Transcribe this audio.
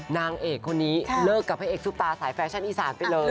นางเอกคนนี้เลิกกับพระเอกซุปตาสายแฟชั่นอีสานไปเลย